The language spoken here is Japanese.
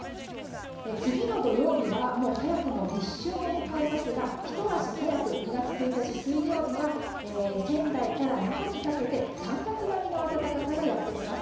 次の土曜日は早くも立春を迎えますがひと足早く２月１日水曜日は仙台から那覇にかけて３月並みの暖かさがやってきます。